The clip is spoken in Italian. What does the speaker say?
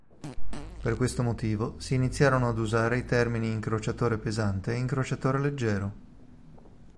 Per questo motivo si iniziarono ad usare i termini incrociatore pesante e incrociatore leggero.